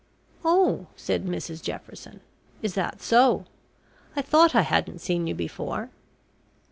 "Oh!" said Mrs Jefferson, "is that so? I thought I hadn't seen you before.